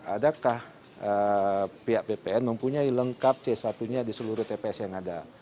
adakah pihak bpn mempunyai lengkap c satu nya di seluruh tps yang ada